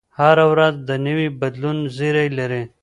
هره ورځ د نوي بدلون زېری لري